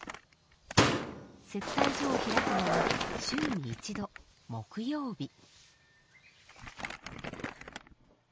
接待所を開くのは週に１度木曜日。